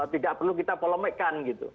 tidak perlu kita polemikkan